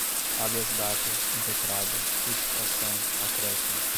habeas data, impetrada, retificação, acréscimo